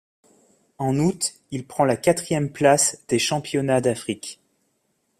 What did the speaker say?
En août il prend la quatrième place des Championnats d'Afrique.